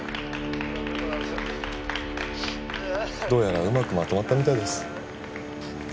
どうやらうまくまとまったみたいです。